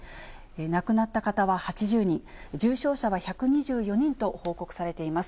亡くなった方は８０人、重症者は１２４人と報告されています。